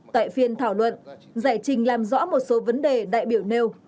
tại phiên thảo luận giải trình làm rõ một số vấn đề đại biểu nêu